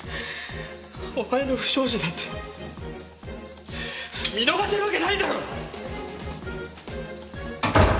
お前の不祥事なんて見逃せるわけないだろ！